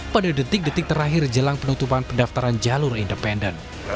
pada detik detik terakhir jelang penutupan pendaftaran jalur independen